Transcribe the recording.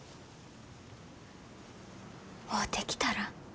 会うてきたら？